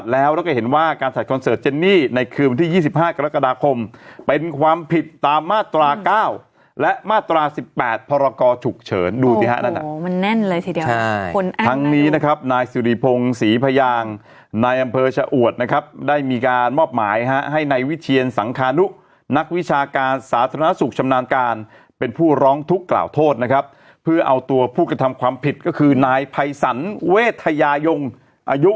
แล้วก็นักเสียงโชคทั้งใกล้และใกล้เนี่ยเดินทางมาสองเลขเด็ด